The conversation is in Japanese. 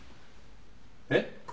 えっ？